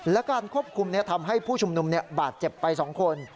และการควบคุมทำให้ผู้ชุมนุมบาดเจ็บไป๒คน